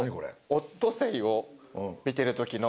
オットセイを見てるときの。